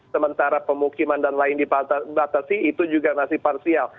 sementara pemukiman dan lain dibatasi itu juga masih parsial